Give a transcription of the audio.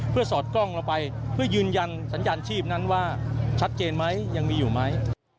เพื่อยืนยันสัญญาณชีพนั้นว่าชัดเจนมั้ยยังมีอยู่มั้ย